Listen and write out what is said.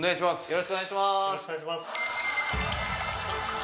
よろしくお願いします。